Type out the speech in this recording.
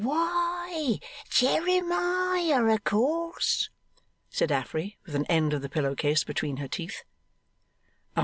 'Why, Jeremiah, o' course,' said Affery, with an end of the pillow case between her teeth.